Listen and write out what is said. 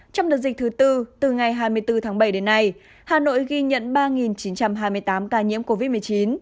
trong đợt dịch thứ tư từ ngày hai mươi bốn tháng bảy đến nay hà nội ghi nhận ba chín trăm hai mươi tám ca nhiễm covid một mươi chín